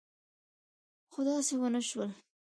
خو داسې ونه شول.